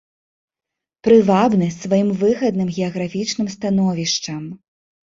Прывабны сваім выгадным геаграфічным становішчам.